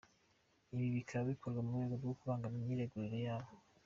Ibi bikaba bikorwa mu rwego rwo kubangamira imyiregurire yabo.